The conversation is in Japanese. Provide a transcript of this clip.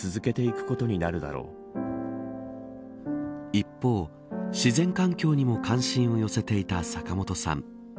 一方、自然環境にも関心を寄せていた坂本さん。